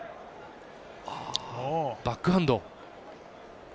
バックハンド。